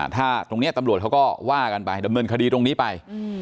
ถ้าตรงนี้ตำรวจเขาก็ว่ากันไปดำเนินคดีตรงนี้ไป